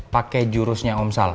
pakai jurusnya om sal